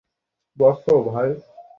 আমি তোমায় হারাতে পারবো না।